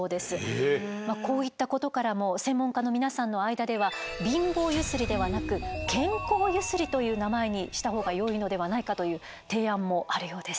こういったことからも専門家の皆さんの間では「貧乏ゆすり」ではなく「健康ゆすり」という名前にしたほうがよいのではないかという提案もあるようです。